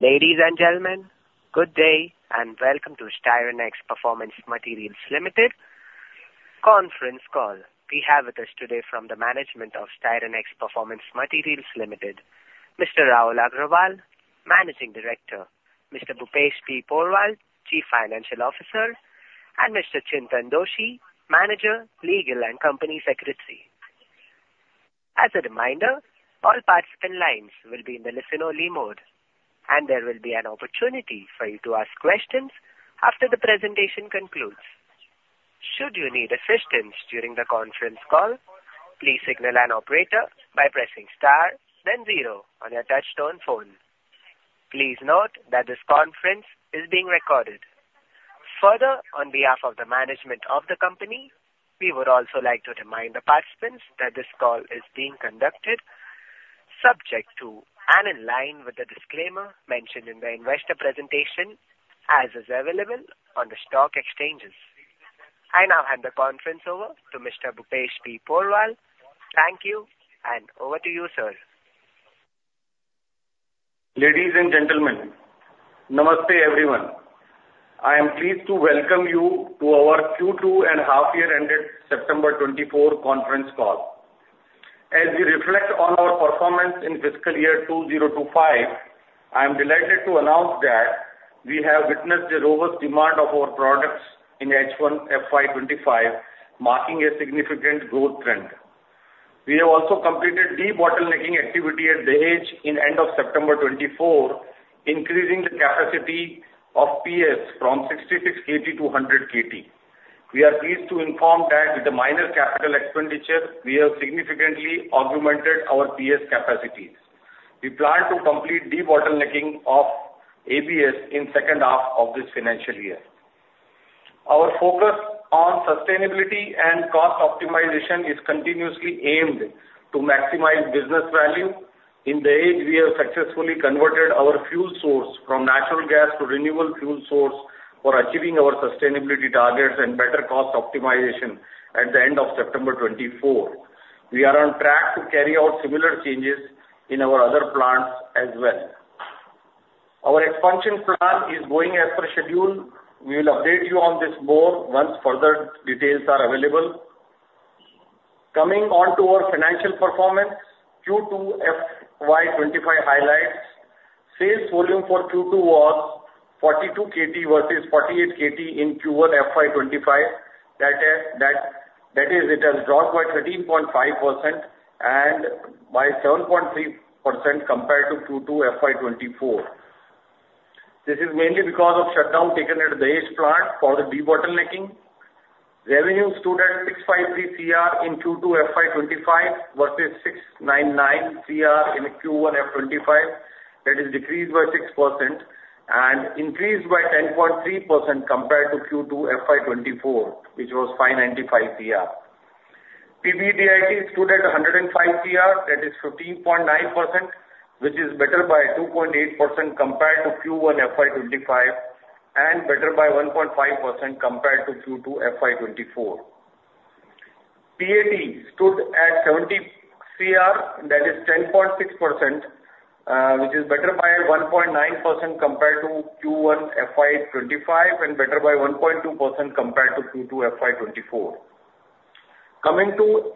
Ladies and gentlemen, good day and welcome to Styrenix Performance Materials Limited Conference call. We have with us today from the management of Styrenix Performance Materials Limited, Mr. Rahul Agrawal, Managing Director, Mr. Bhupesh P. Porwal, Chief Financial Officer, and Mr. Chintan Doshi, Manager, Legal and Company Secretary. As a reminder, all participant lines will be in the listen-only mode, and there will be an opportunity for you to ask questions after the presentation concludes. Should you need assistance during the conference call, please signal an operator by pressing star, then zero on your touch-tone phone. Please note that this conference is being recorded. Further, on behalf of the management of the company, we would also like to remind the participants that this call is being conducted subject to and in line with the disclaimer mentioned in the investor presentation, as is available on the stock exchanges. I now hand the conference over to Mr. Bhupesh P. Porwal. Thank you, and over to you, sir. Ladies and gentlemen, Namaste everyone. I am pleased to welcome you to our Q2 and half-year ended September 2024 conference call. As we reflect on our performance in fiscal year 2025, I am delighted to announce that we have witnessed the robust demand of our products in H1 FY25, marking a significant growth trend. We have also completed de-bottlenecking activity at Dahej in the end of September 2024, increasing the capacity of PS from 66 KT to 100 KT. We are pleased to inform that with the minor capital expenditure, we have significantly augmented our PS capacities. We plan to complete de-bottlenecking of ABS in the second half of this financial year. Our focus on sustainability and cost optimization is continuously aimed to maximize business value. In Dahej, we have successfully converted our fuel source from natural gas to renewable fuel source for achieving our sustainability targets and better cost optimization at the end of September 2024. We are on track to carry out similar changes in our other plants as well. Our expansion plan is going as per schedule. We will update you on this board once further details are available. Coming on to our financial performance, Q2 FY25 highlights. Sales volume for Q2 was 42 KT versus 48 KT in Q1 FY25. That is, it has dropped by 13.5% and by 7.3% compared to Q2 FY24. This is mainly because of shutdown taken at Dahej plant for the de-bottlenecking. Revenue stood at 653 CR in Q2 FY25 versus 699 CR in Q1 FY25. That is decreased by 6% and increased by 10.3% compared to Q2 FY24, which was 595 CR. PBDIT stood at 105 CR. That is 15.9%, which is better by 2.8% compared to Q1 FY25 and better by 1.5% compared to Q2 FY24. PAT stood at 70 CR. That is 10.6%, which is better by 1.9% compared to Q1 FY25 and better by 1.2% compared to Q2 FY24. Coming to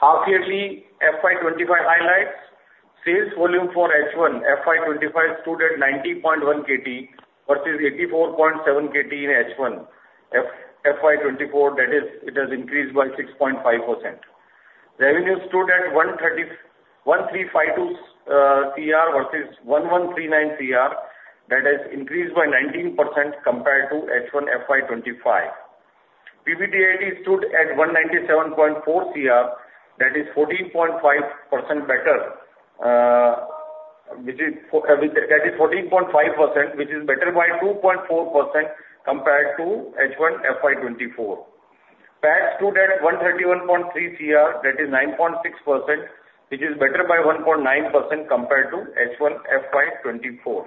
half-yearly FY25 highlights, sales volume for H1 FY25 stood at 90.1 KT versus 84.7 KT in H1 FY24. That is, it has increased by 6.5%. Revenue stood at 1352 CR versus 1139 CR. That is increased by 19% compared to H1 FY25. PBDIT stood at 197.4 CR. That is 14.5% better. That is 14.5%, which is better by 2.4% compared to H1 FY24. PAT stood at 131.3 CR. That is 9.6%, which is better by 1.9% compared to H1 FY24.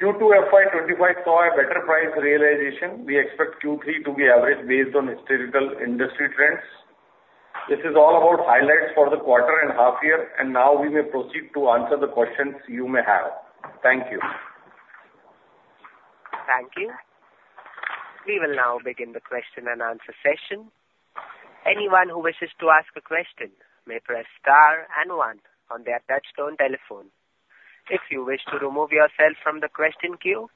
Q2 FY25 saw a better price realization. We expect Q3 to be average based on historical industry trends. This is all about highlights for the quarter and half-year, and now we may proceed to answer the questions you may have. Thank you. Thank you. We will now begin the question and answer session. Anyone who wishes to ask a question may press star and one on their touch-tone telephone. If you wish to remove yourself from the question queue,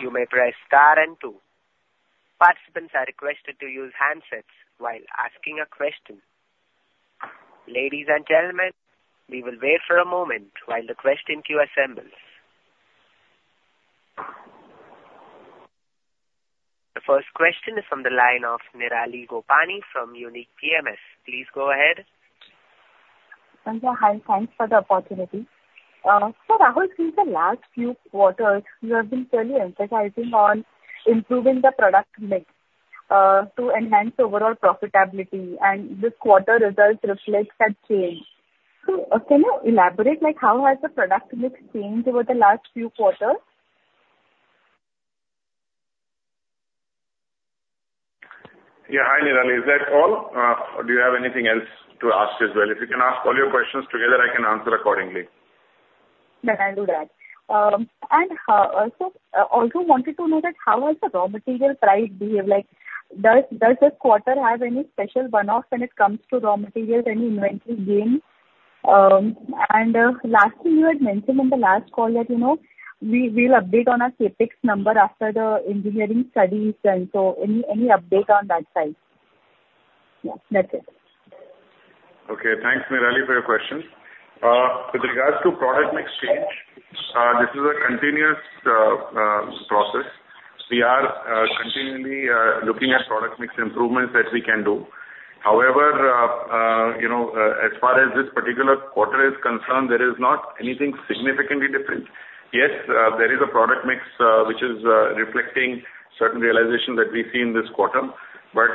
you may press star and two. Participants are requested to use handsets while asking a question. Ladies and gentlemen, we will wait for a moment while the question queue assembles. The first question is from the line of Nirali Gopani from Unique PMS. Please go ahead. Thank you. Hi, thanks for the opportunity. Sir, I would say the last few quarters, you have been fairly emphasizing on improving the product mix to enhance overall profitability, and this quarter results reflect that change. Can you elaborate like how has the product mix changed over the last few quarters? Yeah, Hi, Nirali. Is that all? Or do you have anything else to ask as well? If you can ask all your questions together, I can answer accordingly. Then I'll do that. And I also wanted to know that how has the raw material price behaved? Does this quarter have any special burn-offs when it comes to raw material and inventory gain? And lastly, you had mentioned in the last call that we'll update on our CAPEX number after the engineering studies. And so any update on that side? Yeah, that's it. Okay, thanks Nirali for your questions. With regards to product mix change, this is a continuous process. We are continually looking at product mix improvements that we can do. However, as far as this particular quarter is concerned, there is not anything significantly different. Yes, there is a product mix which is reflecting certain realizations that we see in this quarter, but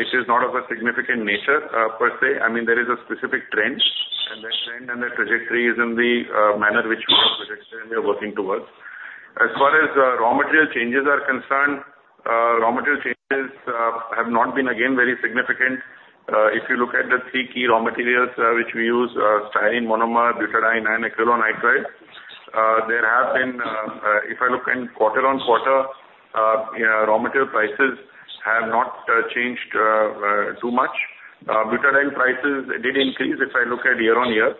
it is not of a significant nature per se. I mean, there is a specific trend, and that trend and that trajectory is in the manner which we are projecting and we are working towards. As far as raw material changes are concerned, raw material changes have not been again very significant. If you look at the three key raw materials which we use, Styrene Monomer, Butadiene, and Acrylonitrile, there have been, if I look in quarter on quarter, raw material prices have not changed too much. Butadiene prices did increase if I look at year on year.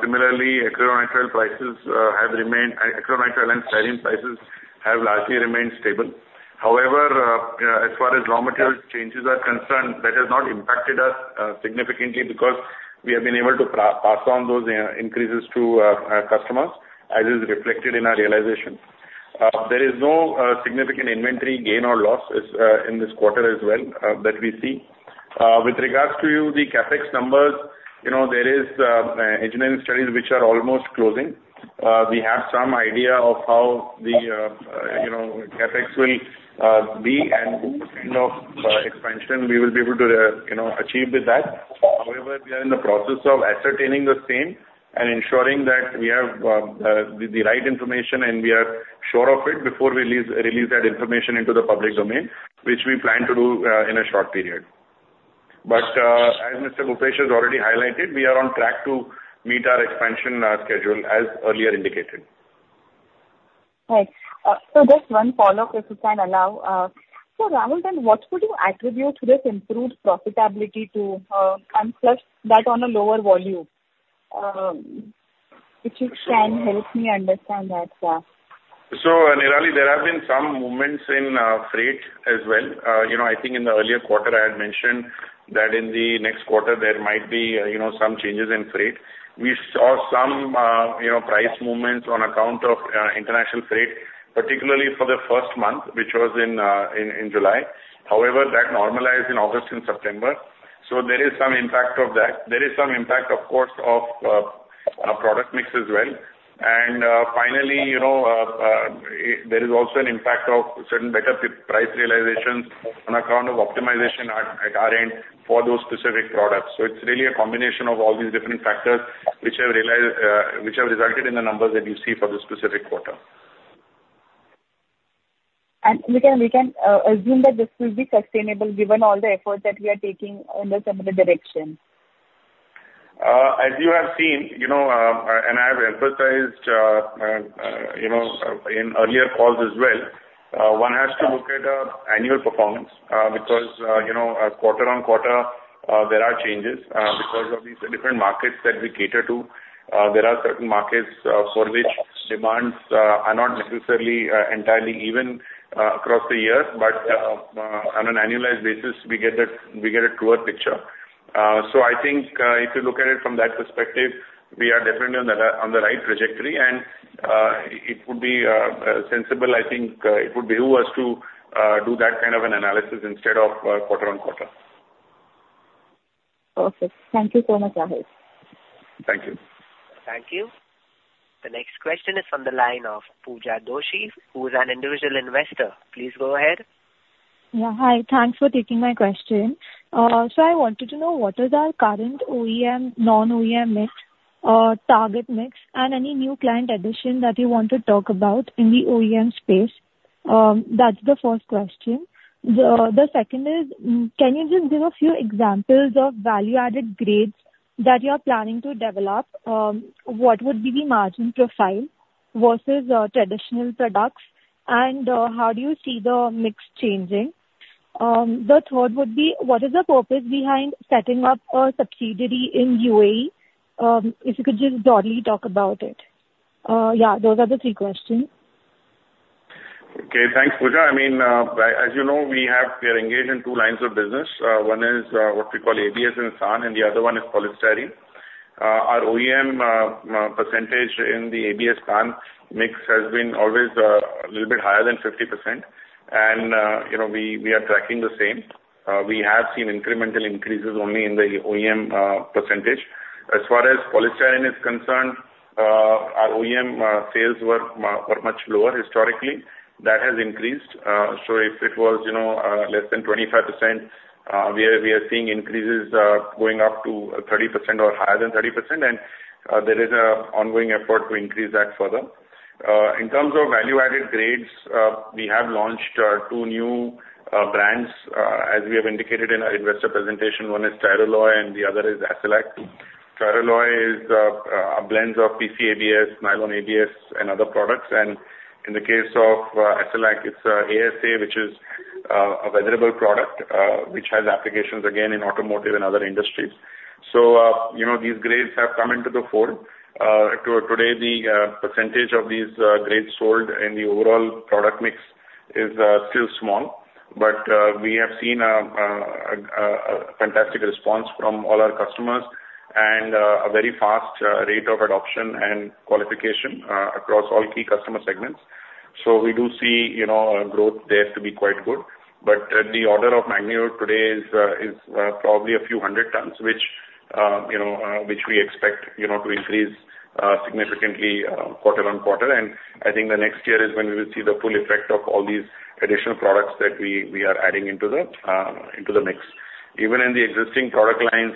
Similarly, Acrylonitrile prices have remained. Acrylonitrile and Styrene prices have largely remained stable. However, as far as raw material changes are concerned, that has not impacted us significantly because we have been able to pass on those increases to our customers, as is reflected in our realization. There is no significant inventory gain or loss in this quarter as well that we see. With regards to the CAPEX numbers, there is engineering studies which are almost closing. We have some idea of how the CAPEX will be and what kind of expansion we will be able to achieve with that. However, we are in the process of ascertaining the same and ensuring that we have the right information and we are sure of it before we release that information into the public domain, which we plan to do in a short period. But as Mr. Bhupesh has already highlighted, we are on track to meet our expansion schedule as earlier indicated. Right. So just one follow-up, if you can allow. So Rahul, then what would you attribute this improved profitability to? And plus that on a lower volume, if you can help me understand that. Nirali, there have been some movements in freight as well. I think in the earlier quarter, I had mentioned that in the next quarter, there might be some changes in freight. We saw some price movements on account of international freight, particularly for the first month, which was in July. However, that normalized in August and September. There is some impact of that. There is some impact, of course, of product mix as well. And finally, there is also an impact of certain better price realizations on account of optimization at our end for those specific products. It's really a combination of all these different factors which have resulted in the numbers that you see for this specific quarter. We can assume that this will be sustainable given all the efforts that we are taking in this similar direction. As you have seen, and I have emphasized in earlier calls as well, one has to look at annual performance because quarter on quarter, there are changes because of these different markets that we cater to. There are certain markets for which demands are not necessarily entirely even across the year, but on an annualized basis, we get a truer picture. So I think if you look at it from that perspective, we are definitely on the right trajectory, and it would be sensible, I think it would behoove us to do that kind of an analysis instead of quarter on quarter. Perfect. Thank you so much, Rahul. Thank you. Thank you. The next question is from the line of Pooja Doshi, who is an individual investor. Please go ahead. Yeah, hi. Thanks for taking my question. So I wanted to know what is our current OEM, non-OEM mix, target mix, and any new client addition that you want to talk about in the OEM space. That's the first question. The second is, can you just give a few examples of value-added grades that you are planning to develop? What would be the margin profile versus traditional products? And how do you see the mix changing? The third would be, what is the purpose behind setting up a subsidiary in UAE? If you could just broadly talk about it. Yeah, those are the three questions. Okay, thanks, Pooja. I mean, as you know, we have engaged in two lines of business. One is what we call ABS and SAN, and the other one is Polystyrene. Our OEM percentage in the ABS SAN mix has been always a little bit higher than 50%, and we are tracking the same. We have seen incremental increases only in the OEM percentage. As far as Polystyrene is concerned, our OEM sales were much lower historically. That has increased. So if it was less than 25%, we are seeing increases going up to 30% or higher than 30%, and there is an ongoing effort to increase that further. In terms of value-added grades, we have launched two new brands, as we have indicated in our investor presentation. One is Styroloy, and the other is Absylac. Styroloy is a blend of PC ABS, nylon ABS, and other products. In the case of Absylac, it's ASA, which is a weatherable product which has applications again in automotive and other industries. These grades have come into the fold. Today, the percentage of these grades sold in the overall product mix is still small, but we have seen a fantastic response from all our customers and a very fast rate of adoption and qualification across all key customer segments. We do see growth there to be quite good. The order of magnitude today is probably a few hundred tons, which we expect to increase significantly quarter on quarter. I think the next year is when we will see the full effect of all these additional products that we are adding into the mix. Even in the existing product lines,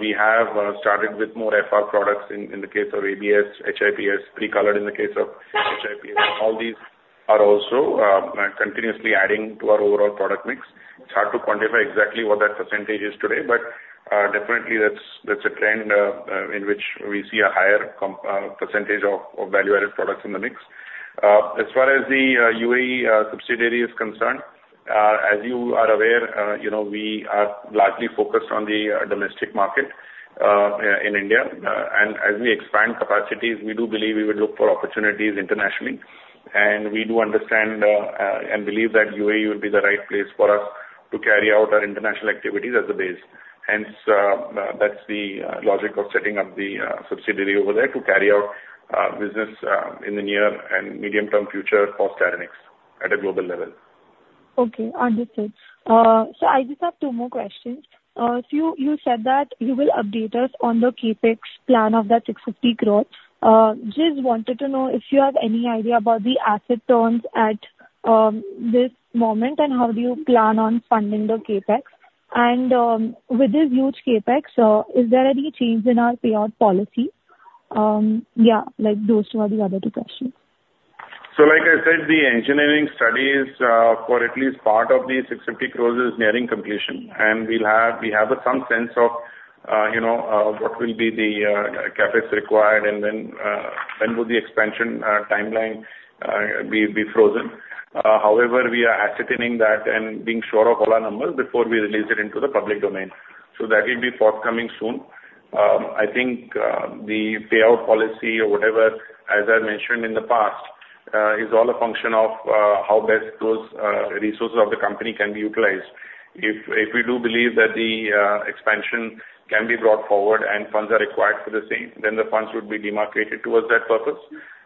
we have started with more FR products in the case of ABS, HIPS, pre-colored in the case of HIPS. All these are also continuously adding to our overall product mix. It's hard to quantify exactly what that percentage is today, but definitely that's a trend in which we see a higher percentage of value-added products in the mix. As far as the UAE subsidiary is concerned, as you are aware, we are largely focused on the domestic market in India, and as we expand capacities, we do believe we would look for opportunities internationally, and we do understand and believe that UAE will be the right place for us to carry out our international activities as a base. Hence, that's the logic of setting up the subsidiary over there to carry out business in the near and medium-term future for Styrenix at a global level. Okay, understood. So I just have two more questions. So you said that you will update us on the CAPEX plan of that 650 crore. Just wanted to know if you have any idea about the asset turns at this moment and how do you plan on funding the CAPEX? And with this huge CAPEX, is there any change in our payout policy? Yeah, those two are the other two questions. So like I said, the engineering studies for at least part of these 650 crore is nearing completion. And we have some sense of what will be the CAPEX required and when would the expansion timeline be frozen. However, we are ascertaining that and being sure of all our numbers before we release it into the public domain. So that will be forthcoming soon. I think the payout policy or whatever, as I mentioned in the past, is all a function of how best those resources of the company can be utilized. If we do believe that the expansion can be brought forward and funds are required for the same, then the funds would be demarcated towards that purpose.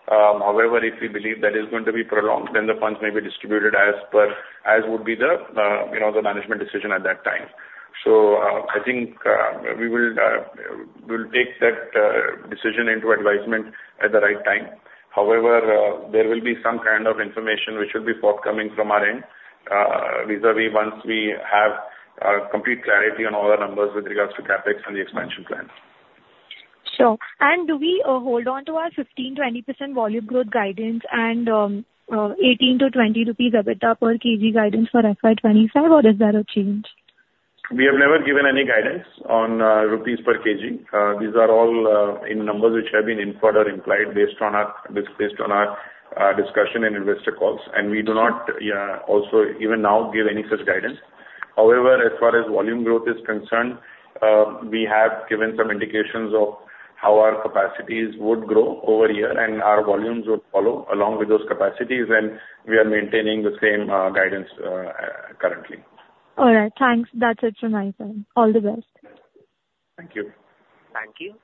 However, if we believe that is going to be prolonged, then the funds may be distributed as would be the management decision at that time. So I think we will take that decision into advisement at the right time. However, there will be some kind of information which will be forthcoming from our end, vis-à-vis once we have complete clarity on all our numbers with regards to CAPEX and the expansion plan. Sure. And do we hold on to our 15%-20% volume growth guidance and INR 18-INR 20 EBITDA per kg guidance for FY25, or is that a change? We have never given any guidance on rupees per kg. These are all numbers which have been input or implied based on our discussion in investor calls. And we do not also, even now, give any such guidance. However, as far as volume growth is concerned, we have given some indications of how our capacities would grow over a year, and our volumes would follow along with those capacities, and we are maintaining the same guidance currently. All right. Thanks. That's it from my side. All the best. Thank you. Thank you.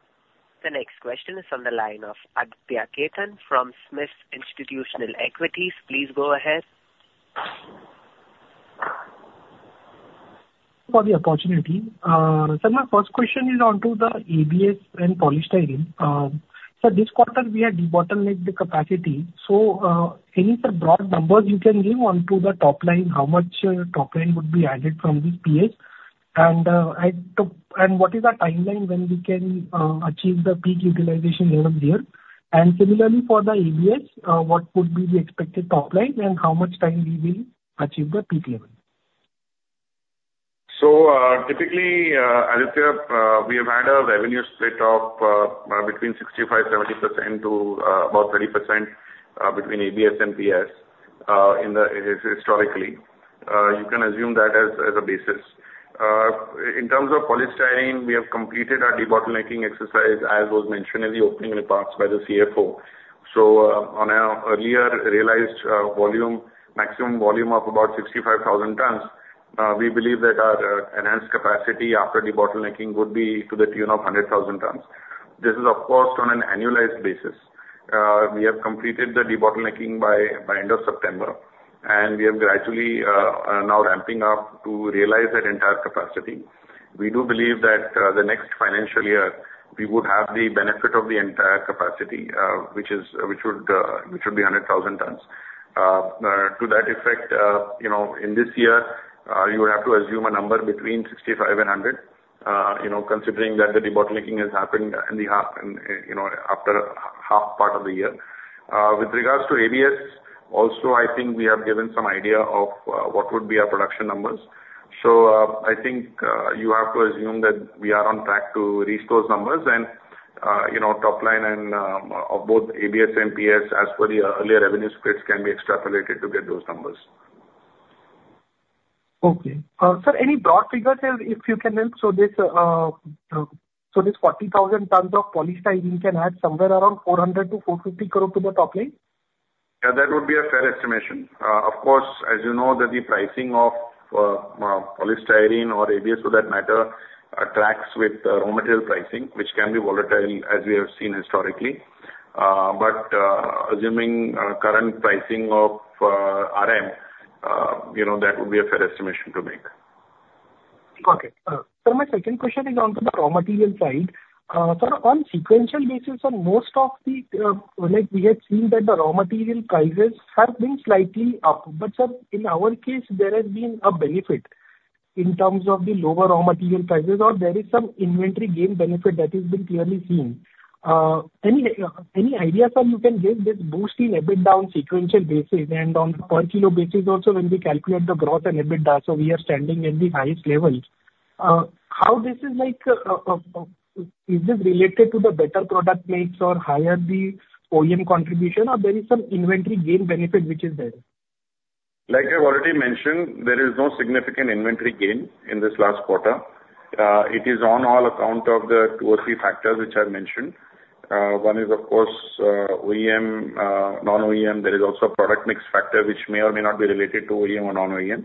The next question is from the line of Aditya Khetan from SMIFS Limited. Please go ahead. For the opportunity. So, my first question is onto the ABS and polystyrene. So, this quarter, we had de-bottlenecked the capacity. So, any broad numbers you can give onto the top line, how much top line would be added from this PS? And what is our timeline when we can achieve the peak utilization level here? And similarly for the ABS, what would be the expected top line and how much time we will achieve the peak level? Typically, Aditya, we have had a revenue split of between 65%-70% to about 30% between ABS and PS historically. You can assume that as a basis. In terms of polystyrene, we have completed our de-bottlenecking exercise, as was mentioned in the opening remarks by the CFO. So on our earlier realized maximum volume of about 65,000 tons, we believe that our enhanced capacity after de-bottlenecking would be to the tune of 100,000 tons. This is, of course, on an annualized basis. We have completed the de-bottlenecking by end of September, and we are gradually now ramping up to realize that entire capacity. We do believe that the next financial year, we would have the benefit of the entire capacity, which would be 100,000 tons. To that effect, in this year, you would have to assume a number between 65 and 100, considering that the de-bottlenecking has happened after half part of the year. With regards to ABS, also, I think we have given some idea of what would be our production numbers, so I think you have to assume that we are on track to reach those numbers, and top line of both ABS and PS, as per the earlier revenue splits, can be extrapolated to get those numbers. Okay. So any broad figures, if you can help? So this 40,000 tons of Polystyrene can add somewhere around 400-450 crore to the top line? Yeah, that would be a fair estimation. Of course, as you know, the pricing of Polystyrene or ABS, for that matter, tracks with raw material pricing, which can be volatile, as we have seen historically. But assuming current pricing of RM, that would be a fair estimation to make. Okay. So my second question is onto the raw material side. So on a sequential basis, on most of them we have seen that the raw material prices have been slightly up. But in our case, there has been a benefit in terms of the lower raw material prices, or there is some inventory gain benefit that has been clearly seen. Any idea that you can give this boost in EBITDA on sequential basis and on per kilo basis also when we calculate the gross and EBITDA? So we are standing at the highest level. How this is like? Is this related to the better product mix or higher the OEM contribution, or there is some inventory gain benefit which is there? Like I've already mentioned, there is no significant inventory gain in this last quarter. It is on account of the two or three factors which I've mentioned. One is, of course, OEM, non-OEM. There is also a product mix factor which may or may not be related to OEM or non-OEM.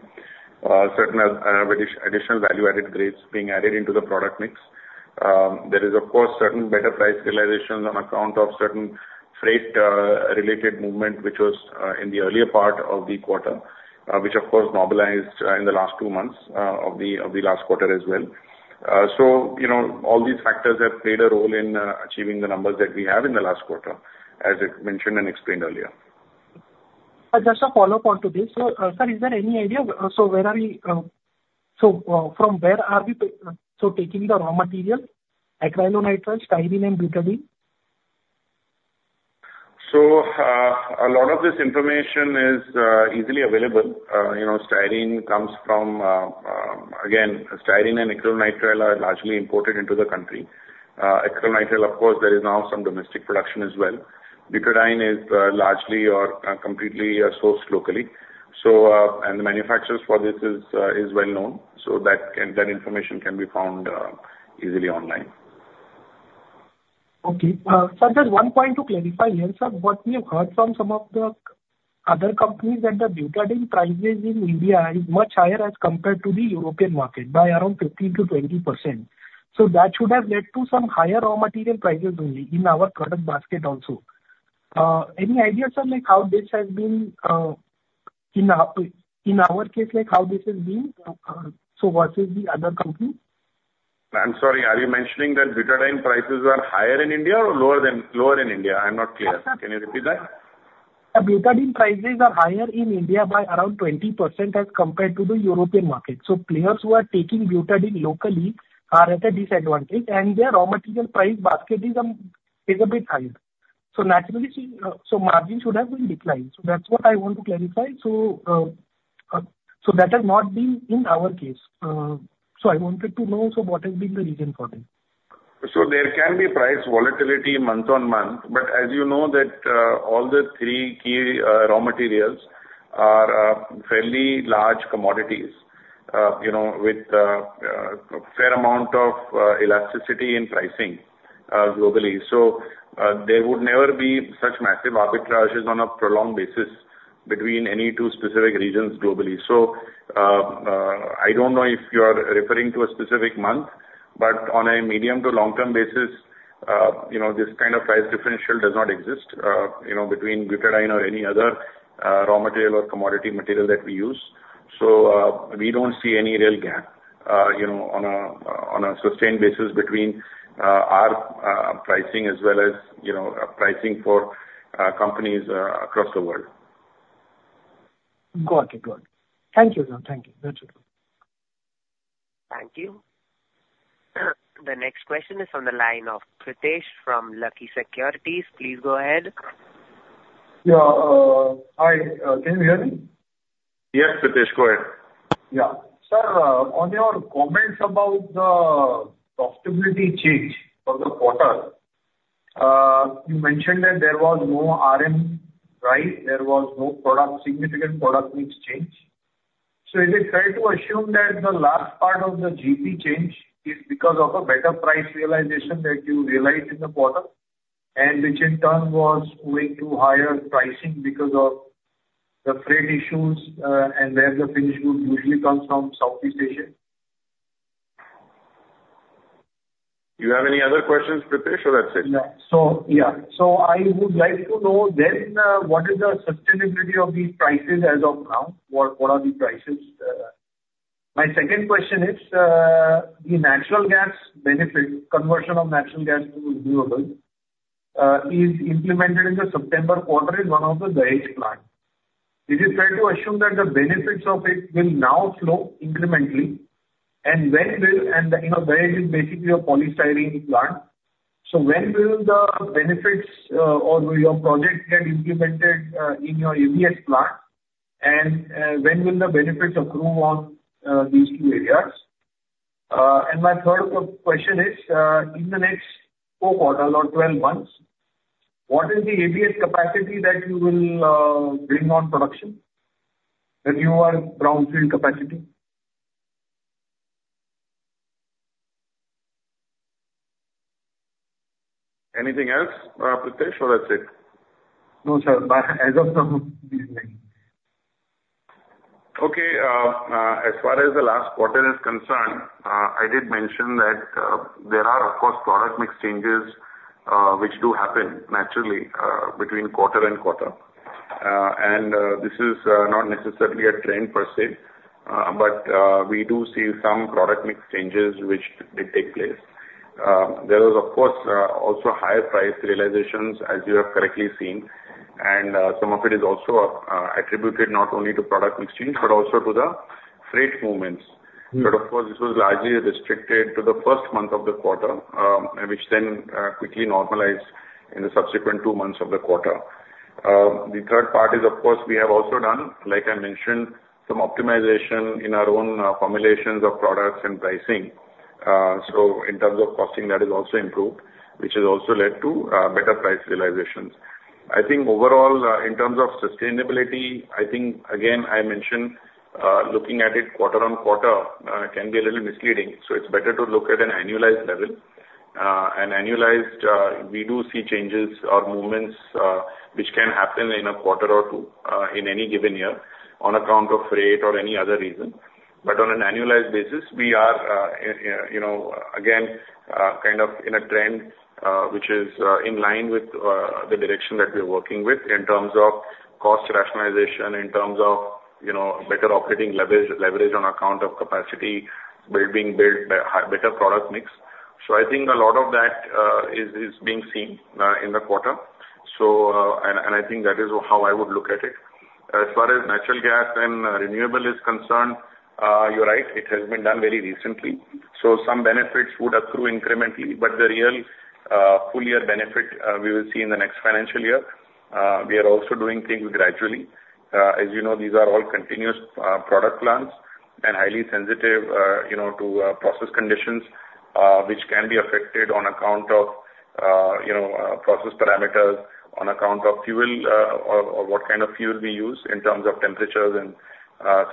Certain additional value-added grades being added into the product mix. There is, of course, certain better price realizations on account of certain freight-related movement, which was in the earlier part of the quarter, which, of course, normalized in the last two months of the last quarter as well. So all these factors have played a role in achieving the numbers that we have in the last quarter, as mentioned and explained earlier. Just a follow-up onto this. So, is there any idea? So, where are we? So, from where are we taking the raw material? Acrylonitrile, Styrene, and Butadiene? So a lot of this information is easily available. Styrene comes from, again, Styrene and Acrylonitrile are largely imported into the country. Acrylonitrile, of course, there is now some domestic production as well. Butadiene is largely or completely sourced locally. And the manufacturers for this is well-known. So that information can be found easily online. Okay. So just one point to clarify, Nirali, what we have heard from some of the other companies that the Butadiene prices in India is much higher as compared to the European market by around 15%-20%. So that should have led to some higher raw material prices only in our product basket also. Any idea on how this has been in our case, how this has been versus the other companies? I'm sorry, are you mentioning that Butadiene prices are higher in India or lower in India? I'm not clear. Can you repeat that? Butadiene prices are higher in India by around 20% as compared to the European market. So players who are taking Butadiene locally are at a disadvantage, and their raw material price basket is a bit higher. So margin should have been declined. So that's what I want to clarify. So that has not been in our case. So I wanted to know what has been the reason for this. So there can be price volatility month on month, but as you know, all the three key raw materials are fairly large commodities with a fair amount of elasticity in pricing globally. So there would never be such massive arbitrages on a prolonged basis between any two specific regions globally. So I don't know if you are referring to a specific month, but on a medium to long-term basis, this kind of price differential does not exist between Butadiene or any other raw material or commodity material that we use. So we don't see any real gap on a sustained basis between our pricing as well as pricing for companies across the world. Got it. Got it. Thank you, sir. Thank you. That's it. Thank you. The next question is from the line of Pratesh from Lucky Securities. Please go ahead. Yeah. Hi. Can you hear me? Yes, Pratesh. Go ahead. Yeah. Sir, on your comments about the profitability change for the quarter, you mentioned that there was no RM rise. There was no significant product mix change. So is it fair to assume that the last part of the GP change is because of a better price realization that you realized in the quarter, and which in turn was going to higher pricing because of the freight issues and where the finished goods usually come from Southeast Asia? Do you have any other questions, Pratesh, or that's it? No. So yeah. So I would like to know then what is the sustainability of these prices as of now? What are the prices? My second question is the natural gas benefit conversion of natural gas to renewable is implemented in the September quarter in one of the Dahej plants. Is it fair to assume that the benefits of it will now flow incrementally? And when will—and Dahej is basically a polystyrene plant—so when will the benefits or your project get implemented in your ABS plant? And when will the benefits accrue on these two areas? And my third question is, in the next four quarters or 12 months, what is the ABS capacity that you will bring on production? That you are brownfield capacity? Anything else, Pratesh? Or that's it? No, sir. As of now, nothing. Okay. As far as the last quarter is concerned, I did mention that there are, of course, product mix changes which do happen naturally between quarter and quarter, and this is not necessarily a trend per se, but we do see some product mix changes which did take place. There was, of course, also higher price realizations, as you have correctly seen, and some of it is also attributed not only to product mix change, but also to the freight movements, but of course, this was largely restricted to the first month of the quarter, which then quickly normalized in the subsequent two months of the quarter. The third part is, of course, we have also done, like I mentioned, some optimization in our own formulations of products and pricing, so in terms of costing, that has also improved, which has also led to better price realizations. I think overall, in terms of sustainability, I think, again, I mentioned, looking at it quarter on quarter can be a little misleading. So it's better to look at an annualized level, and annualized, we do see changes or movements which can happen in a quarter or two in any given year on account of freight or any other reason, but on an annualized basis, we are, again, kind of in a trend which is in line with the direction that we are working with in terms of cost rationalization, in terms of better operating leverage on account of capacity being built by better product mix. So I think a lot of that is being seen in the quarter, and I think that is how I would look at it. As far as natural gas and renewable is concerned, you're right. It has been done very recently. So some benefits would accrue incrementally, but the real full year benefit we will see in the next financial year. We are also doing things gradually. As you know, these are all continuous product plants and highly sensitive to process conditions which can be affected on account of process parameters, on account of fuel or what kind of fuel we use in terms of temperatures and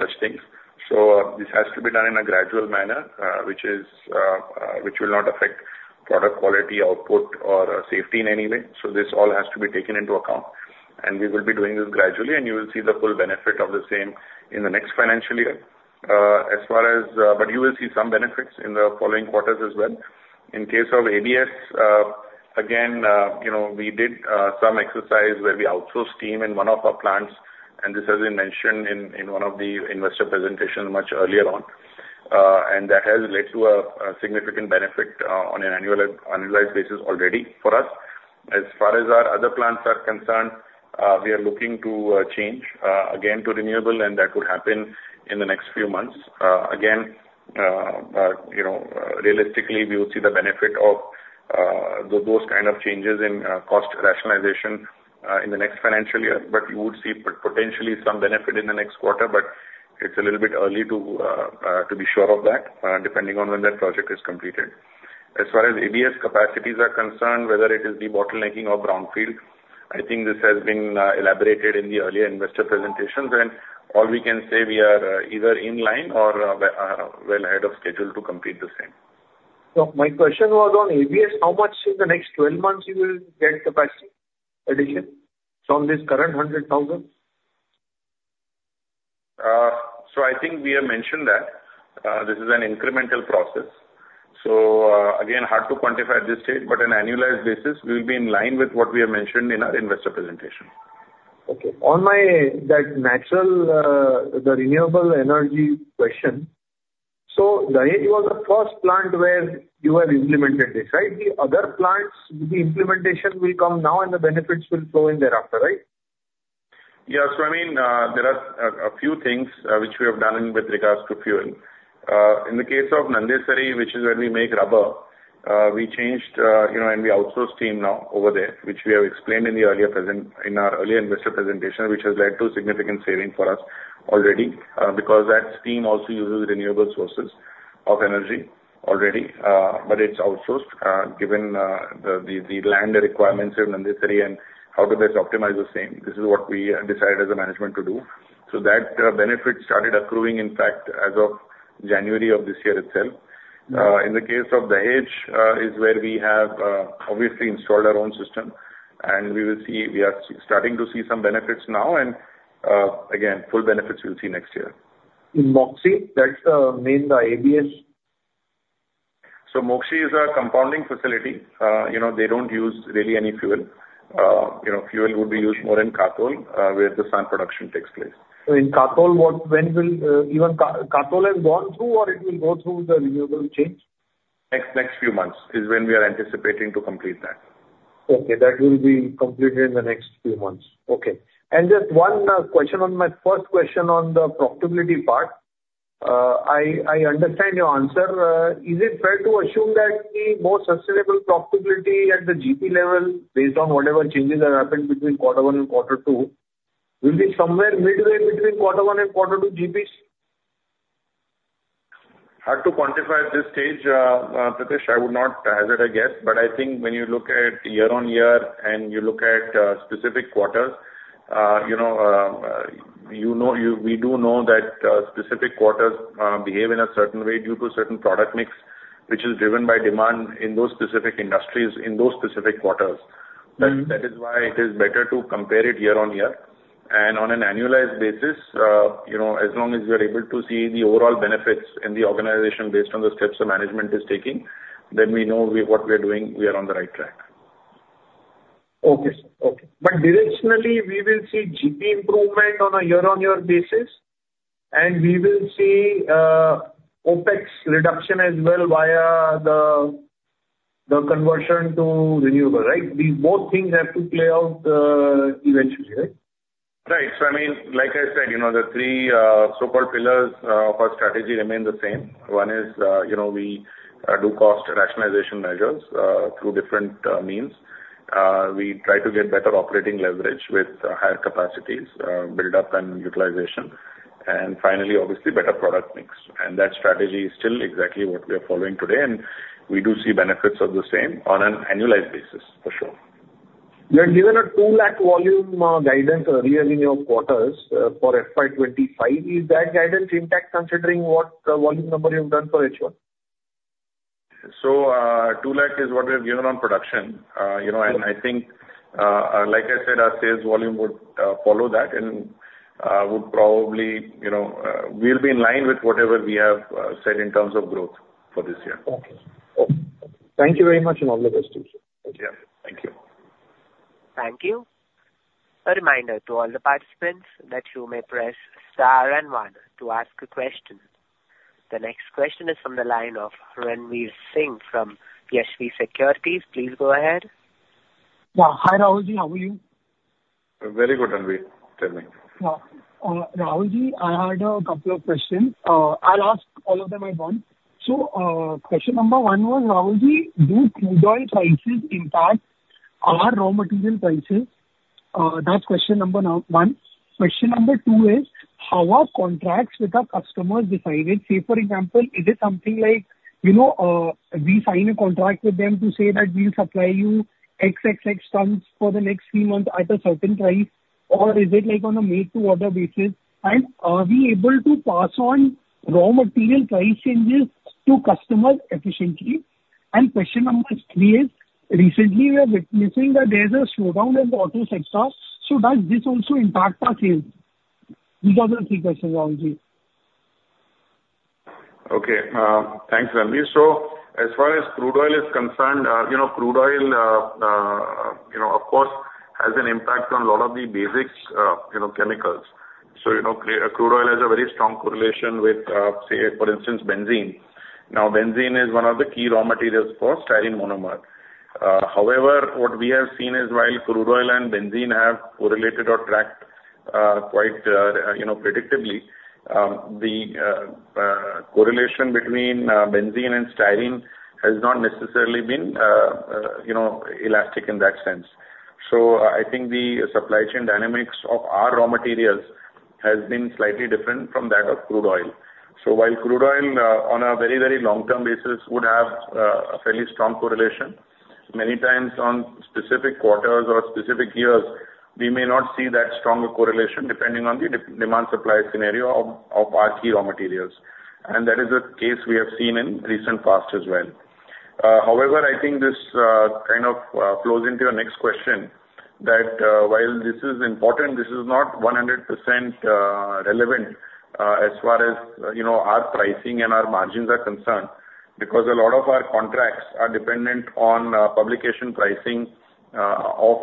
such things. So this has to be done in a gradual manner, which will not affect product quality, output, or safety in any way. So this all has to be taken into account. And we will be doing this gradually, and you will see the full benefit of the same in the next financial year. But you will see some benefits in the following quarters as well. In case of ABS, again, we did some exercise where we outsourced steam in one of our plants, and this has been mentioned in one of the investor presentations much earlier on. And that has led to a significant benefit on an annualized basis already for us. As far as our other plants are concerned, we are looking to change again to renewable, and that would happen in the next few months. Again, realistically, we would see the benefit of those kind of changes in cost rationalization in the next financial year. But we would see potentially some benefit in the next quarter, but it's a little bit early to be sure of that depending on when that project is completed. As far as ABS capacities are concerned, whether it is de-bottlenecking or brownfield, I think this has been elaborated in the earlier investor presentations. All we can say, we are either in line or well ahead of schedule to complete the same. My question was on ABS. How much in the next 12 months you will get capacity addition from this current 100,000? So I think we have mentioned that this is an incremental process. So again, hard to quantify at this stage, but on an annualized basis, we will be in line with what we have mentioned in our investor presentation. Okay. On that natural gas, the renewable energy question, so Dahej was the first plant where you have implemented this, right? The other plants, the implementation will come now, and the benefits will flow in thereafter, right? Yeah. So I mean, there are a few things which we have done with regards to fuel. In the case of Nandesari, which is where we make rubber, we changed and we outsourced steam now over there, which we have explained in our earlier investor presentation, which has led to significant savings for us already because that steam also uses renewable sources of energy already. But it's outsourced given the land requirements of Nandesari and how to best optimize the same. This is what we decided as a management to do. So that benefit started accruing, in fact, as of January of this year itself. In the case of Dahej, is where we have obviously installed our own system. And we will see we are starting to see some benefits now. And again, full benefits we'll see next year. In Moxi, that's mainly the ABS? Moxi is a compounding facility. They don't use really any fuel. Fuel would be used more in Katol where the SAN production takes place. So in Katol, when will even Katol has gone through, or it will go through the renewable change? Next few months is when we are anticipating to complete that. Okay. That will be completed in the next few months. Okay. And just one question on my first question on the profitability part. I understand your answer. Is it fair to assume that the more sustainable profitability at the GP level based on whatever changes have happened between quarter one and quarter two will be somewhere midway between quarter one and quarter two GPs? Hard to quantify at this stage, Pratesh. I would not hazard a guess. But I think when you look at year on year and you look at specific quarters, we do know that specific quarters behave in a certain way due to certain product mix, which is driven by demand in those specific industries in those specific quarters. That is why it is better to compare it year on year. And on an annualized basis, as long as we are able to see the overall benefits in the organization based on the steps the management is taking, then we know what we are doing. We are on the right track. Okay. Okay, but directionally, we will see GP improvement on a year-on-year basis, and we will see OPEX reduction as well via the conversion to renewable, right? These both things have to play out eventually, right? Right. So I mean, like I said, the three so-called pillars of our strategy remain the same. One is we do cost rationalization measures through different means. We try to get better operating leverage with higher capacities, build-up, and utilization. And finally, obviously, better product mix. And that strategy is still exactly what we are following today. And we do see benefits of the same on an annualized basis, for sure. You had given a 2 lakh volume guidance earlier in your quarters for FY25. Is that guidance intact considering what volume number you've done for H1? So, 2 lakh is what we have given on production. And I think, like I said, our sales volume would follow that and would probably we'll be in line with whatever we have said in terms of growth for this year. Okay. Okay. Thank you very much and all the best to you. Yeah. Thank you. Thank you. A reminder to all the participants that you may press star and one to ask a question. The next question is from the line of Ranvir Singh from PSV Securities. Please go ahead. Yeah. Hi, Rahulji. How are you? Very good, Ranvir. Tell me. Yeah. Rahulji, I had a couple of questions. I'll ask all of them at once. So question number one was, Rahulji, do crude oil prices impact our raw material prices? That's question number one. Question number two is, how are contracts with our customers decided? Say, for example, is it something like we sign a contract with them to say that we'll supply you X, X, X tons for the next few months at a certain price, or is it on a made-to-order basis? And are we able to pass on raw material price changes to customers efficiently? And question number three is, recently, we are witnessing that there's a slowdown in the auto sector. So does this also impact our sales? These are the three questions, Rahulji. Okay. Thanks, Ranvir. As far as crude oil is concerned, crude oil, of course, has an impact on a lot of the basic chemicals. Crude oil has a very strong correlation with, say, for instance, benzene. Now, benzene is one of the key raw materials for styrene monomer. However, what we have seen is while crude oil and benzene have correlated or tracked quite predictably, the correlation between benzene and styrene has not necessarily been elastic in that sense. I think the supply chain dynamics of our raw materials has been slightly different from that of crude oil. While crude oil, on a very, very long-term basis, would have a fairly strong correlation, many times on specific quarters or specific years, we may not see that strong correlation depending on the demand-supply scenario of our key raw materials. That is a case we have seen in recent past as well. However, I think this kind of flows into your next question that while this is important, this is not 100% relevant as far as our pricing and our margins are concerned because a lot of our contracts are dependent on publication pricing of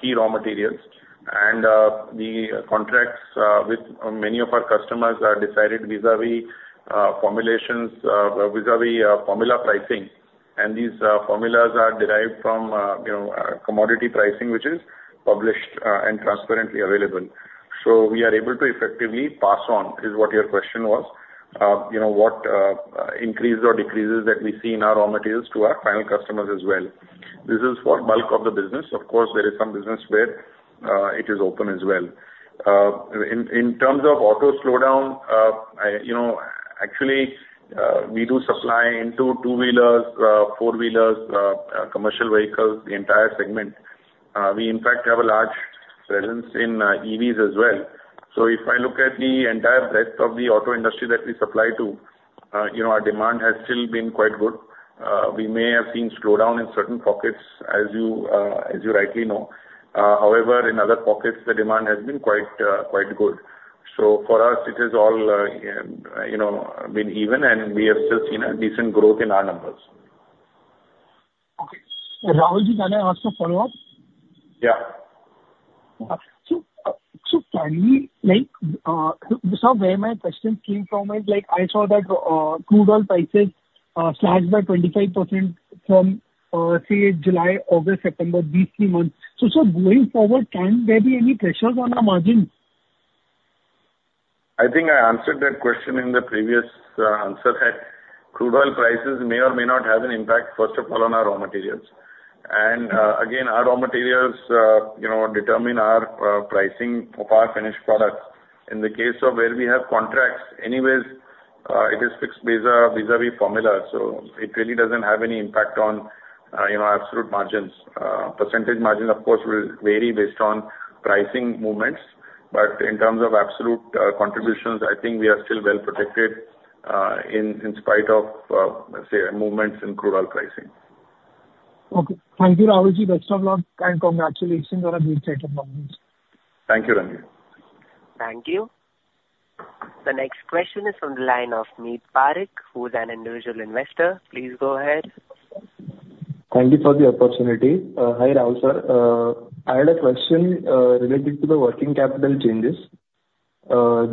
key raw materials. The contracts with many of our customers are decided vis-à-vis formulations, vis-à-vis formula pricing. These formulas are derived from commodity pricing, which is published and transparently available. We are able to effectively pass on, is what your question was, what increases or decreases that we see in our raw materials to our final customers as well. This is for bulk of the business. Of course, there is some business where it is open as well. In terms of auto slowdown, actually, we do supply into two-wheelers, four-wheelers, commercial vehicles, the entire segment. We, in fact, have a large presence in EVs as well. So if I look at the entire breadth of the auto industry that we supply to, our demand has still been quite good. We may have seen slowdown in certain pockets, as you rightly know. However, in other pockets, the demand has been quite good. So for us, it has all been even, and we have still seen a decent growth in our numbers. Okay. Rahulji, can I ask a follow-up? Yeah. So, finally, where my question came from is, I saw that crude oil prices slashed by 25% from, say, July, August, September, these three months. So going forward, can there be any pressures on our margins? I think I answered that question in the previous answer that crude oil prices may or may not have an impact, first of all, on our raw materials. And again, our raw materials determine our pricing of our finished products. In the case of where we have contracts, anyways, it is fixed vis-à-vis formula. So it really doesn't have any impact on absolute margins. Percentage margins, of course, will vary based on pricing movements. But in terms of absolute contributions, I think we are still well protected in spite of, say, movements in crude oil pricing. Okay. Thank you, Rahulji. Best of luck and congratulations on a great set of margins. Thank you, Ranvir. Thank you. The next question is from the line of Meet Parikh, who is an individual investor. Please go ahead. Thank you for the opportunity. Hi, Rahul sir. I had a question related to the working capital changes.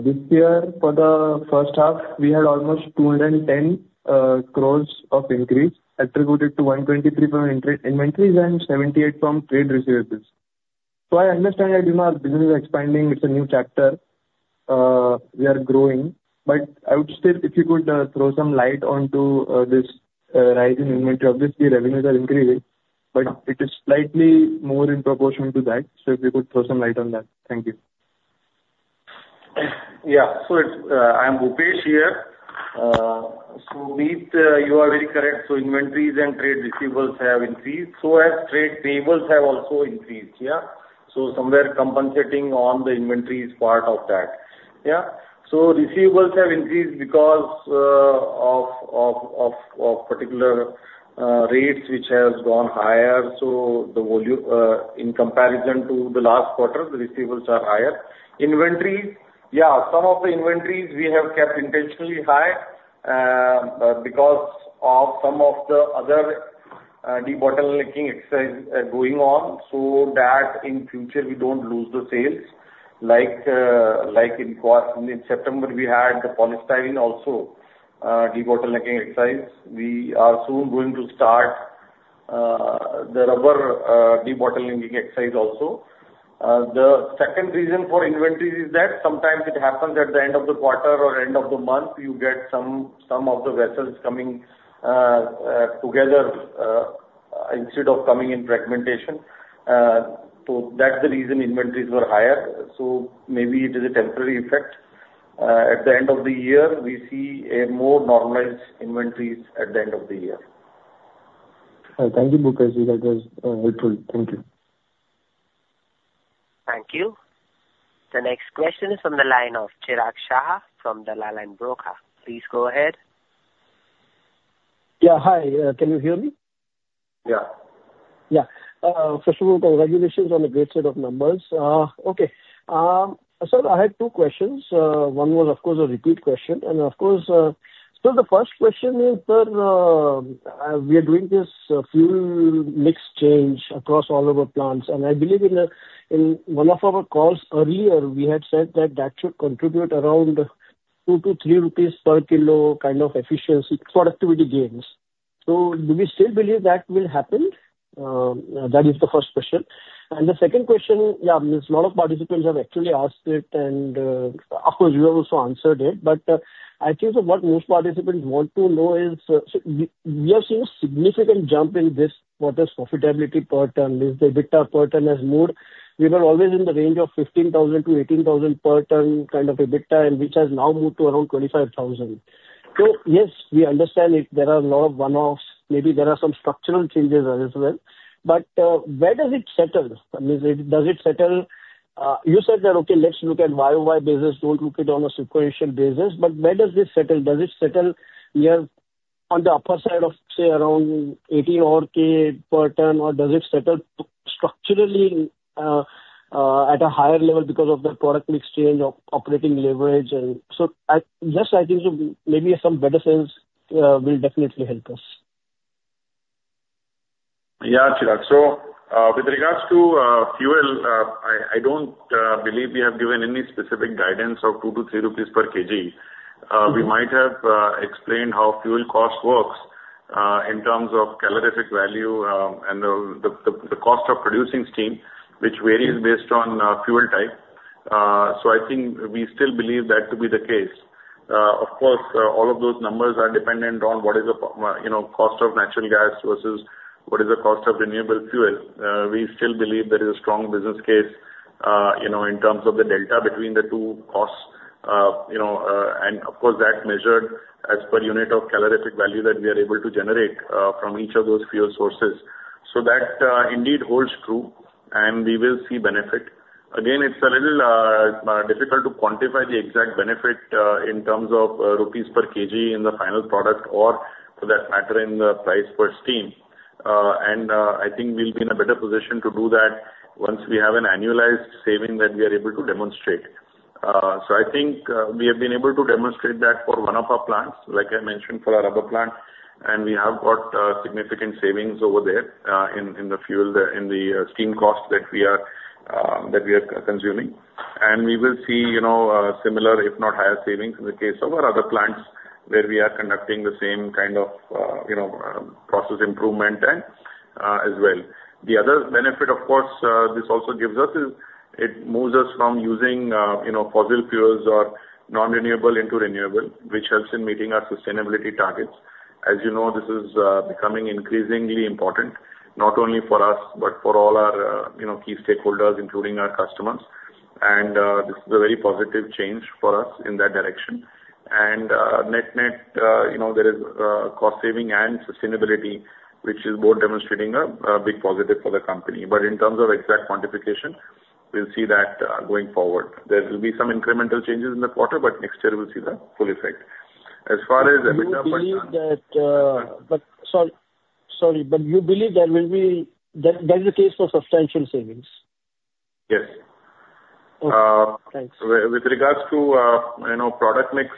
This year, for the first half, we had almost 210 crore of increase attributed to 123 crore from inventories and 78 crore from trade receivables. So I understand that our business is expanding. It's a new chapter. We are growing. But I would still, if you could throw some light onto this rise in inventory. Obviously, revenues are increasing, but it is slightly more in proportion to that. So if you could throw some light on that. Thank you. Yeah. So I'm Bhupesh here. So Meet, you are very correct. So inventories and trade receivables have increased. So have trade payables have also increased, yeah? So somewhere compensating on the inventories part of that, yeah? So receivables have increased because of particular rates which have gone higher. So in comparison to the last quarter, the receivables are higher. Inventories, yeah, some of the inventories we have kept intentionally high because of some of the other de-bottlenecking exercise going on so that in future we don't lose the sales. Like in September, we had the polystyrene also de-bottlenecking exercise. We are soon going to start the rubber de-bottlenecking exercise also. The second reason for inventories is that sometimes it happens at the end of the quarter or end of the month, you get some of the vessels coming together instead of coming in fragmentation. So that's the reason inventories were higher. So maybe it is a temporary effect. At the end of the year, we see more normalized inventories at the end of the year. Thank you, Bhupeshji. That was helpful. Thank you. Thank you. The next question is from the line of Chirag Shah from Dalal & Broacha. Please go ahead. Yeah. Hi. Can you hear me? Yeah. Yeah. First of all, congratulations on a great set of numbers. Okay. Sir, I had two questions. One was, of course, a repeat question. And of course, so the first question is, sir, we are doing this fuel mix change across all of our plants. And I believe in one of our calls earlier, we had said that that should contribute around 2-3 rupees per kilo kind of efficiency, productivity gains. So do we still believe that will happen? That is the first question. And the second question, yeah, a lot of participants have actually asked it, and of course, you have also answered it. But I think what most participants want to know is, we have seen a significant jump in this quarter's profitability per ton is the EBITDA per ton has moved. We were always in the range of 15,000-18,000 per ton kind of EBITDA, and which has now moved to around 25,000. So yes, we understand there are a lot of one-offs. Maybe there are some structural changes as well. But where does it settle? I mean, does it settle? You said that, okay, let's look at YOY basis. Don't look at it on a sequential basis. But where does this settle? Does it settle here on the upper side of, say, around 18 or 20K per ton, or does it settle structurally at a higher level because of the product mix change of operating leverage? And so just I think maybe some better sales will definitely help us. Yeah, Chirag. So with regards to fuel, I don't believe we have given any specific guidance of 2-3 rupees per kg. We might have explained how fuel cost works in terms of calorific value and the cost of producing steam, which varies based on fuel type. So I think we still believe that to be the case. Of course, all of those numbers are dependent on what is the cost of natural gas versus what is the cost of renewable fuel. We still believe there is a strong business case in terms of the delta between the two costs. And of course, that's measured as per unit of calorific value that we are able to generate from each of those fuel sources. So that indeed holds true, and we will see benefit. Again, it's a little difficult to quantify the exact benefit in terms of INR per kg in the final product or, for that matter, in the price per steam. And I think we'll be in a better position to do that once we have an annualized saving that we are able to demonstrate. So I think we have been able to demonstrate that for one of our plants, like I mentioned, for our rubber plant. And we have got significant savings over there in the fuel, in the steam cost that we are consuming. And we will see similar, if not higher, savings in the case of our other plants where we are conducting the same kind of process improvement as well. The other benefit, of course, this also gives us is it moves us from using fossil fuels or non-renewable into renewable, which helps in meeting our sustainability targets. As you know, this is becoming increasingly important, not only for us, but for all our key stakeholders, including our customers. And this is a very positive change for us in that direction. And net net, there is cost saving and sustainability, which is both demonstrating a big positive for the company. But in terms of exact quantification, we'll see that going forward. There will be some incremental changes in the quarter, but next year, we'll see the full effect. As far as EBITDA per ton— But sorry, sorry. But you believe there will be, there is a case for substantial savings? Yes. Okay. Thanks. With regards to product mix,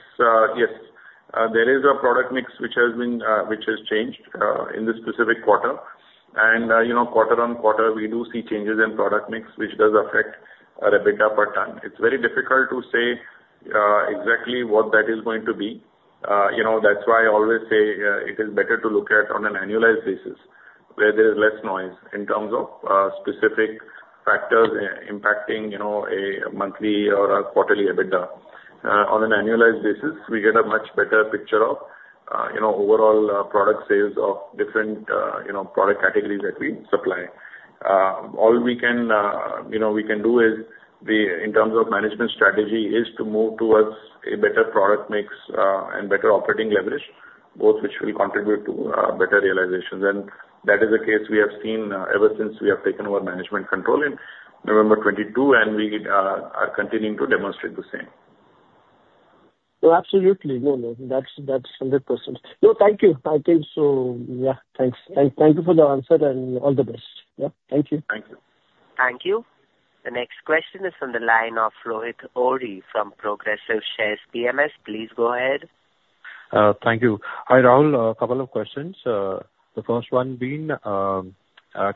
yes. There is a product mix which has changed in this specific quarter, and quarter on quarter, we do see changes in product mix, which does affect our EBITDA per ton. It's very difficult to say exactly what that is going to be. That's why I always say it is better to look at on an annualized basis where there is less noise in terms of specific factors impacting a monthly or a quarterly EBITDA. On an annualized basis, we get a much better picture of overall product sales of different product categories that we supply. All we can do is, in terms of management strategy, is to move towards a better product mix and better operating leverage, both which will contribute to better realization. That is a case we have seen ever since we have taken over management control in November 2022, and we are continuing to demonstrate the same. Well, absolutely. No, no. That's 100%. No, thank you. I think so. Yeah. Thanks. Thank you for the answer and all the best. Yeah. Thank you. Thank you. Thank you. The next question is from the line of Floyd Ori from Progressive Shares PMS. Please go ahead. Thank you. Hi, Rahul. A couple of questions. The first one being, can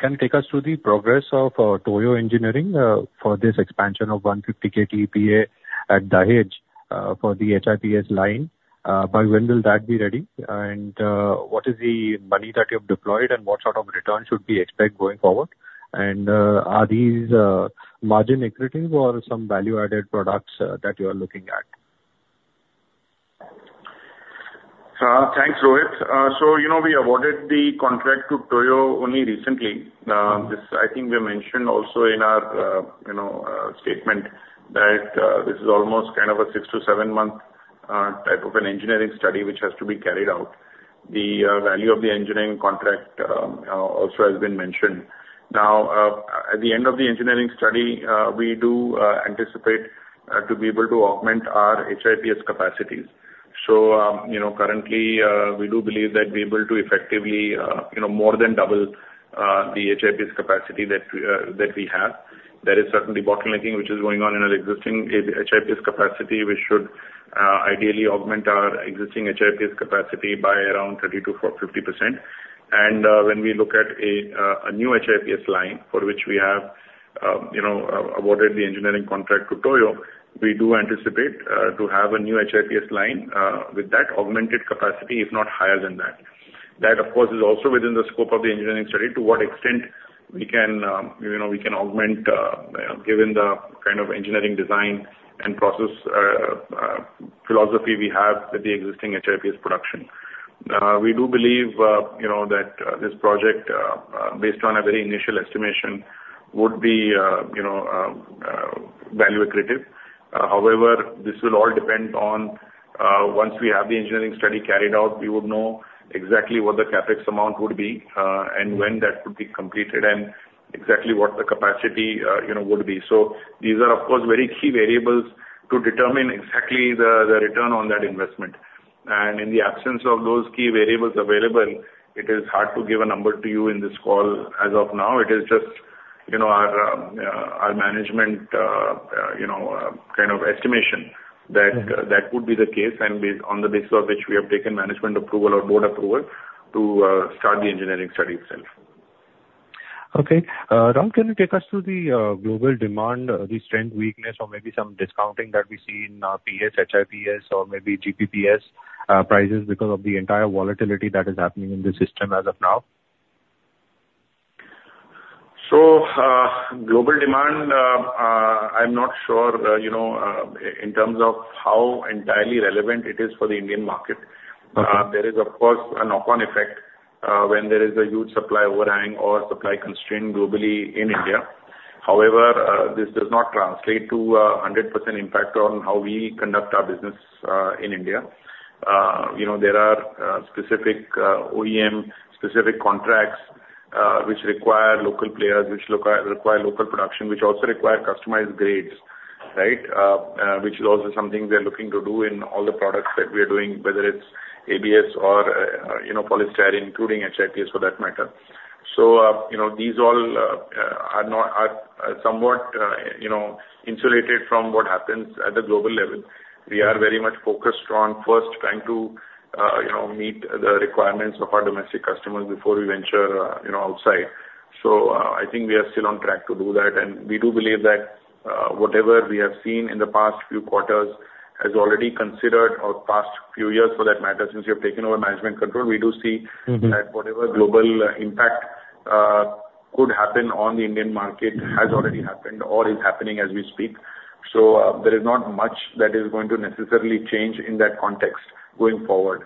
you take us through the progress of Toyo Engineering for this expansion of 150k TPA at Dahej for the HIPS line? By when will that be ready? And what is the money that you have deployed, and what sort of return should we expect going forward? And are these margin-accretive or some value-added products that you are looking at? Thanks, Rohit. We awarded the contract to Toyo only recently. I think we mentioned also in our statement that this is almost kind of a six to seven-month type of an engineering study which has to be carried out. The value of the engineering contract also has been mentioned. Now, at the end of the engineering study, we do anticipate to be able to augment our HIPS capacities. Currently, we do believe that we are able to effectively more than double the HIPS capacity that we have. There is certainly bottlenecking which is going on in our existing HIPS capacity, which should ideally augment our existing HIPS capacity by around 30%-50%. When we look at a new HIPS line for which we have awarded the engineering contract to Toyo, we do anticipate to have a new HIPS line with that augmented capacity, if not higher than that. That, of course, is also within the scope of the engineering study to what extent we can augment given the kind of engineering design and process philosophy we have with the existing HIPS production. We do believe that this project, based on a very initial estimation, would be value-accretive. However, this will all depend on once we have the engineering study carried out, we would know exactly what the CapEx amount would be and when that would be completed and exactly what the capacity would be. So these are, of course, very key variables to determine exactly the return on that investment. In the absence of those key variables available, it is hard to give a number to you in this call as of now. It is just our management kind of estimation that that would be the case and on the basis of which we have taken management approval or board approval to start the engineering study itself. Okay. Rahul, can you take us through the global demand, the strength, weakness, or maybe some discounting that we see in PS, HIPS, or maybe GPPS prices because of the entire volatility that is happening in the system as of now? So global demand, I'm not sure in terms of how entirely relevant it is for the Indian market. There is, of course, a knock-on effect when there is a huge supply overhang or supply constraint globally in India. However, this does not translate to a 100% impact on how we conduct our business in India. There are specific OEM, specific contracts which require local players, which require local production, which also require customized grades, right? Which is also something we are looking to do in all the products that we are doing, whether it's ABS or polystyrene, including HIPS for that matter. So these all are somewhat insulated from what happens at the global level. We are very much focused on first trying to meet the requirements of our domestic customers before we venture outside. So I think we are still on track to do that. We do believe that whatever we have seen in the past few quarters has already considered or past few years for that matter, since we have taken over management control. We do see that whatever global impact could happen on the Indian market has already happened or is happening as we speak. There is not much that is going to necessarily change in that context going forward.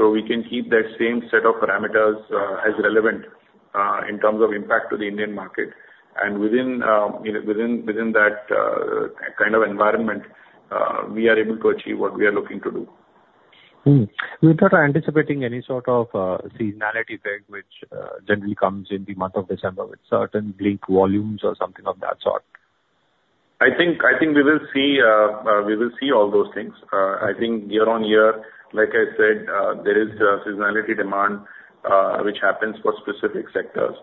We can keep that same set of parameters as relevant in terms of impact to the Indian market. Within that kind of environment, we are able to achieve what we are looking to do. We're not anticipating any sort of seasonality effect, which generally comes in the month of December with certain bleak volumes or something of that sort. I think we will see all those things. I think year on year, like I said, there is seasonality demand which happens for specific sectors.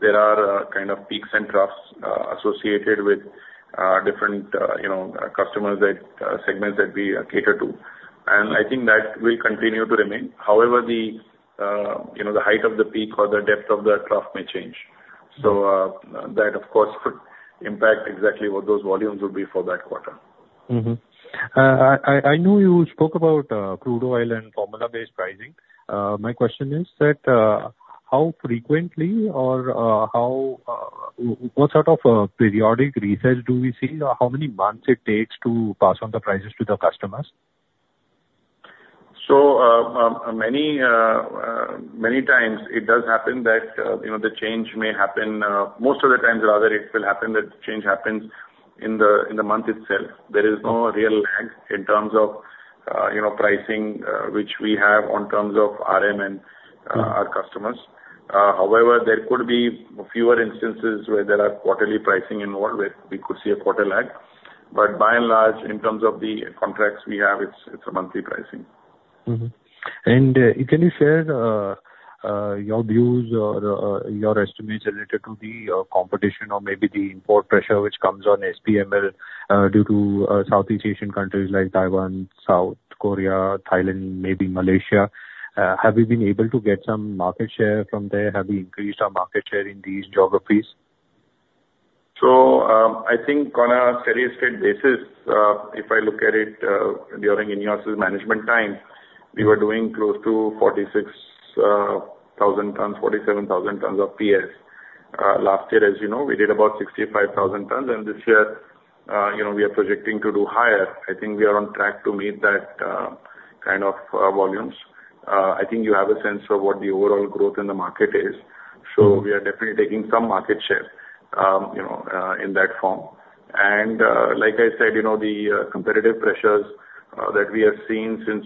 There are kind of peaks and troughs associated with different customers that segments that we cater to. And I think that will continue to remain. However, the height of the peak or the depth of the trough may change. So that, of course, could impact exactly what those volumes will be for that quarter. I know you spoke about crude oil and formula-based pricing. My question is that how frequently or what sort of periodic research do we see or how many months it takes to pass on the prices to the customers? So many times, it does happen that the change may happen. Most of the times, rather, it will happen that the change happens in the month itself. There is no real lag in terms of pricing, which we have in terms of RM and our customers. However, there could be fewer instances where there are quarterly pricing involved, where we could see a quarter lag. But by and large, in terms of the contracts we have, it's a monthly pricing. Can you share your views or your estimates related to the competition or maybe the import pressure which comes on SPML due to Southeast Asian countries like Taiwan, South Korea, Thailand, maybe Malaysia? Have we been able to get some market share from there? Have we increased our market share in these geographies? I think on a steady-state basis, if I look at it during in-house management time, we were doing close to 46,000-47,000 tons of PS. Last year, as you know, we did about 65,000 tons. And this year, we are projecting to do higher. I think we are on track to meet that kind of volumes. I think you have a sense of what the overall growth in the market is. So we are definitely taking some market share in that form. And like I said, the competitive pressures that we have seen since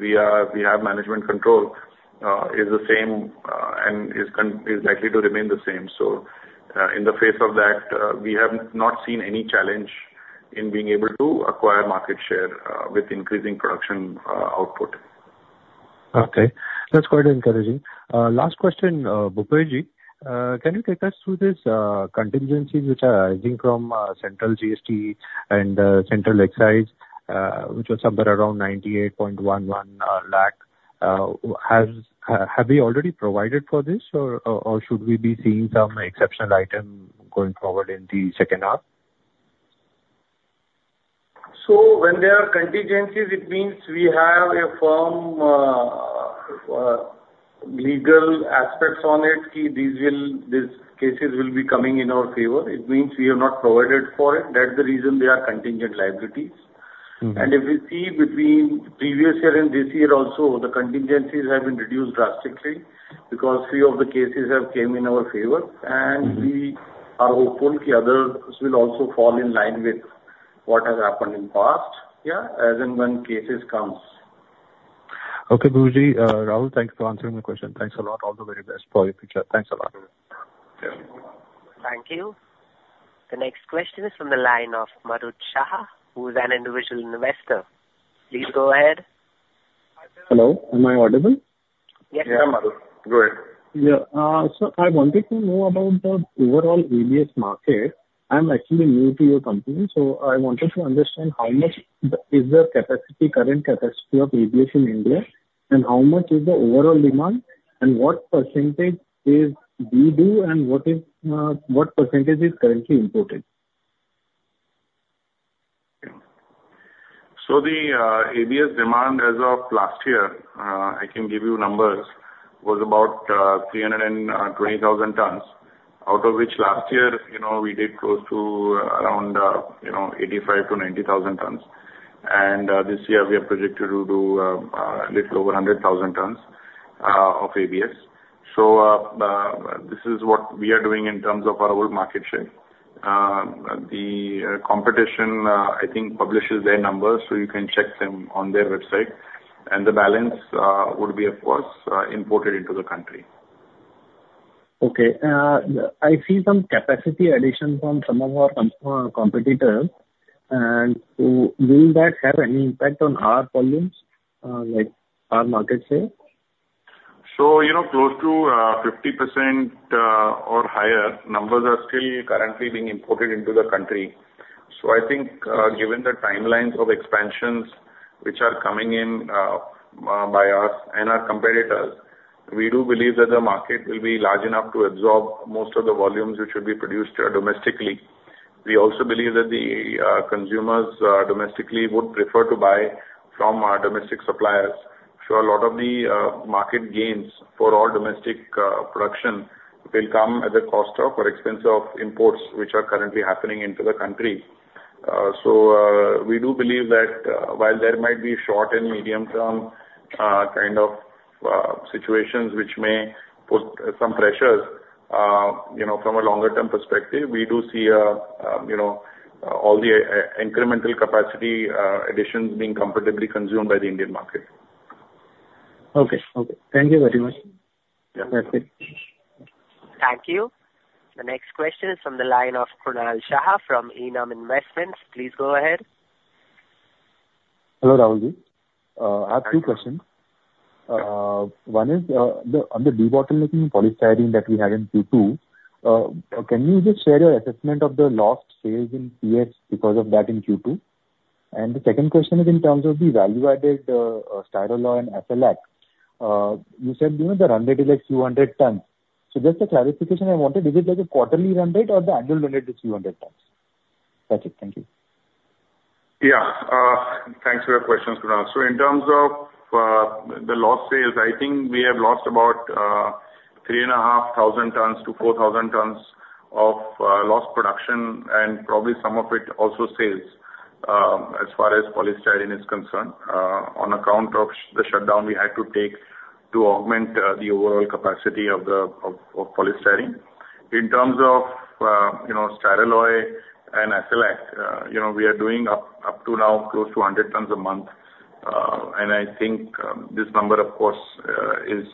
we have management control is the same and is likely to remain the same. So in the face of that, we have not seen any challenge in being able to acquire market share with increasing production output. Okay. That's quite encouraging. Last question, Bhupayaji, can you take us through these contingencies which are arising from Central GST and Central Excise, which was somewhere around 98.11 lakh? Have we already provided for this, or should we be seeing some exceptional item going forward in the second half? So when there are contingencies, it means we have a firm legal aspect on it that these cases will be coming in our favor. It means we have not provided for it. That's the reason there are contingent liabilities. And if we see between previous year and this year also, the contingencies have been reduced drastically because three of the cases have come in our favor. And we are hopeful the others will also fall in line with what has happened in the past, yeah, as in when cases come. Okay, Bhupaji. Rahul, thanks for answering the question. Thanks a lot. All the very best for your future. Thanks a lot. Thank you. The next question is from the line of Madhur Shah, who is an individual investor. Please go ahead. Hello. Am I audible? Yes. Yeah, Madhur. Go ahead. Yeah. So I wanted to know about the overall ABS market. I'm actually new to your company. So I wanted to understand how much is the current capacity of ABS in India, and how much is the overall demand, and what percentage do we do, and what percentage is currently imported? The ABS demand as of last year, I can give you numbers, was about 320,000 tons, out of which last year we did close to around 85,000-90,000 tons. This year, we are projected to do a little over 100,000 tons of ABS. This is what we are doing in terms of our whole market share. The competition, I think, publishes their numbers, so you can check them on their website. The balance would be, of course, imported into the country. Okay. I see some capacity addition from some of our competitors, and will that have any impact on our volumes, like our market share? So close to 50% or higher, numbers are still currently being imported into the country. So I think given the timelines of expansions which are coming in by us and our competitors, we do believe that the market will be large enough to absorb most of the volumes which will be produced domestically. We also believe that the consumers domestically would prefer to buy from our domestic suppliers. So a lot of the market gains for all domestic production will come at the cost of or expense of imports which are currently happening into the country. So we do believe that while there might be short and medium-term kind of situations which may put some pressures from a longer-term perspective, we do see all the incremental capacity additions being competitively consumed by the Indian market. Okay. Okay. Thank you very much. Perfect. Thank you. The next question is from the line of Kunal Shah from Enam Investments. Please go ahead. Hello, Rahulji. I have two questions. One is on the de-bottlenecking polystyrene that we had in Q2, can you just share your assessment of the lost sales in PS because of that in Q2? And the second question is in terms of the value-added Styroloy and SLX. You said the run rate is like 200 tons. So just a clarification I wanted, is it like a quarterly run rate or the annual run rate is 200 tons? That's it. Thank you. Yeah. Thanks for your questions, Kunal. So in terms of the lost sales, I think we have lost about 3,500-4,000 tons of lost production and probably some of it also sales as far as polystyrene is concerned on account of the shutdown we had to take to augment the overall capacity of polystyrene. In terms of Styrolux and SLX, we are doing up to now close to 100 tons a month. And I think this number, of course, is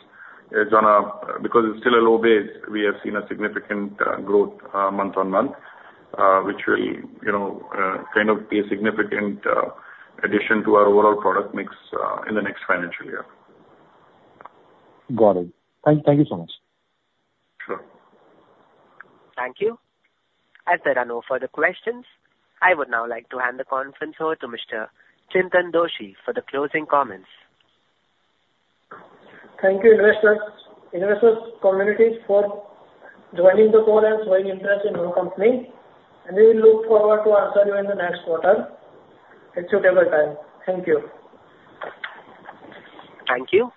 on a low base because it's still a low base, we have seen a significant growth month on month, which will kind of be a significant addition to our overall product mix in the next financial year. Got it. Thank you so much. Sure. Thank you. As there are no further questions, I would now like to hand the conference over to Mr. Chintan Doshi for the closing comments. Thank you, investors. Investors, communities, for joining the call and showing interest in our company and we will look forward to answering you in the next quarter. It's suitable time. Thank you. Thank you.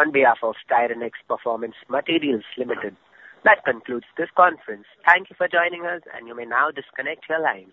On behalf of Styrenix Performance Materials Limited, that concludes this conference. Thank you for joining us, and you may now disconnect your lines.